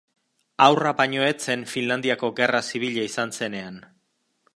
Haurra baino ez zen Finlandiako Gerra Zibila izan zenean.